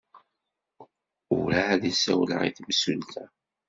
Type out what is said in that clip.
Urɛad i sawleɣ i temsulta.